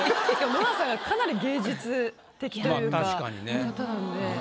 ノラさんがかなり芸術的というか方なんで。